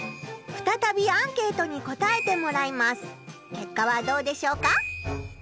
けっかはどうでしょうか？